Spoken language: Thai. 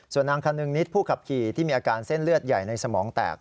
ส่วนนางคนึงนิดผู้ขับขี่ที่มีอาการเส้นเลือดใหญ่ในสมองแตก